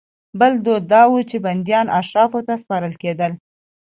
بل دود دا و چې بندیان اشرافو ته سپارل کېدل.